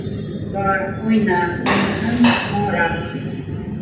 Бар, уйна, уныһын - һуңыраҡ.